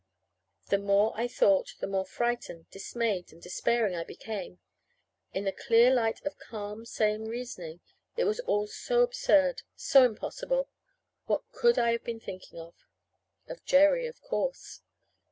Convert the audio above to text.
The more I thought, the more frightened, dismayed, and despairing I became. In the clear light of calm, sane reasoning, it was all so absurd, so impossible! What could I have been thinking of? Of Jerry, of course.